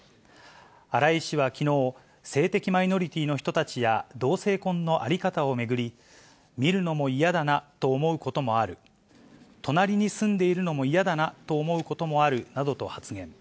荒井氏はきのう、性的マイノリティの人たちや同性婚の在り方を巡り、見るのも嫌だなと思うこともある、隣に住んでいるのも嫌だなと思うこともあるなどと発言。